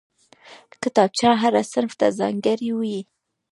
کتابچه هر صنف ته ځانګړې وي